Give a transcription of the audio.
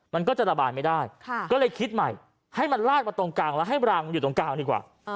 มันก็จะระบายไม่ได้ก็เลยคิดใหม่ให้มันลาดมาตรงกลางแล้วให้รังมันอยู่ตรงกลางดีกว่า